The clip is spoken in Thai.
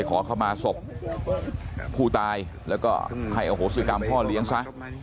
ต่อยคำถามกำบมพู่ตายแล้วก็ให้โอะโหสุธรรมพ่อเลี้ยงซะ